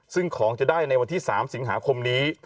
ซึ่งของจะได้ในวันที่๓สิงหาคมนี้